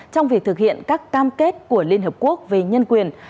trong việc thực hiện các cam kết của liên hợp quốc về nhân quyền